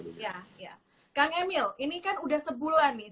iya kang emil ini kan udah sebulan nih